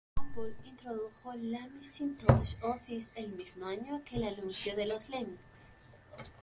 Apple introdujo la Macintosh Office el mismo año que el anuncio de los lemmings.